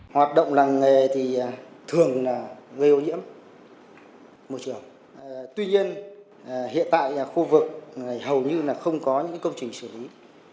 hiện tại khu vực này hầu như là không có những công trình xử lý